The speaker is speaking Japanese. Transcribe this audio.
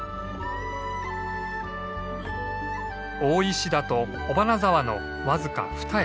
大石田と尾花沢の僅かふた駅。